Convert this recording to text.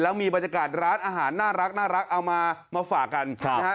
แล้วมีบรรยากาศร้านอาหารน่ารักเอามามาฝากกันนะฮะ